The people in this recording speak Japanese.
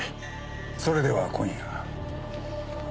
それでは今夜。